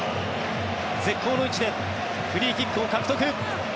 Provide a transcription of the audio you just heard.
絶好の位置でフリーキックを獲得。